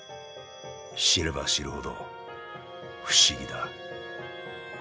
知れば知るほど不思議だ。